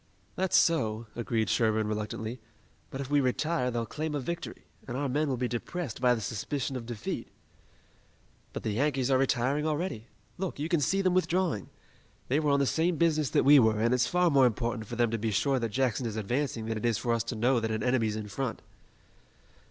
"That's so," agreed Sherburne reluctantly, "but if we retire they'll claim a victory, and our men will be depressed by the suspicion of defeat." "But the Yankees are retiring already. Look, you can see them withdrawing! They were on the same business that we were, and it's far more important for them to be sure that Jackson is advancing than it is for us to know that an enemy's in front."